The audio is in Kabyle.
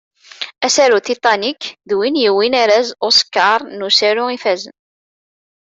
Asaru Titanic d win yewwin arraz Oscar n usaru ifazen.